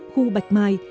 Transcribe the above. khu bạch mai